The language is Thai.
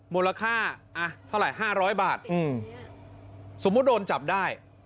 มูลค่าเท่าไหร่๕๐๐บาทสมมุติโดนจับได้